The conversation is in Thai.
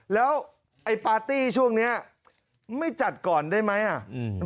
แล้วไอ้ปาร์ตี้ช่วงเนี้ยไม่จัดก่อนได้ไหมอ่ะอืม